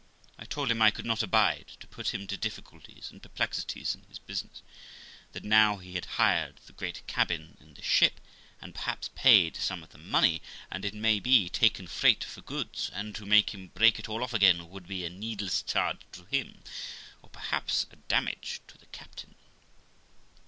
I told him I could not abide to put him to difficulties and perplexities in his business; that now he had hired the great cabin in the ship, and, perhaps, paid some of the money, and, it may be, taken freight for goods; and to make him break it all off again would be a needless charge to him, or, perhaps, a damage to the captain.